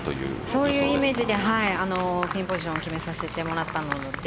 そういうイメージでピンポジションを決めさせてもらったので。